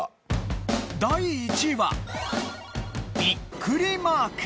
第１位はビックリマーク。